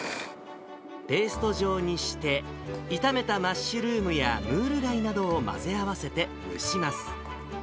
ペースト状にして、炒めたマッシュルームやムール貝などを混ぜ合わせて蒸します。